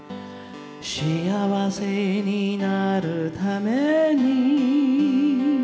「しあわせになるために」